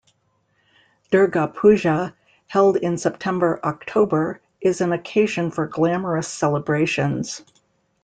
Durga Puja, held in September-October, is an occasion for glamorous celebrations.